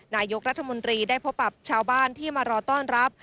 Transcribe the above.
นายกรัฐมนตรีได้พบกับชาวบ้านที่มารอต้อนรับ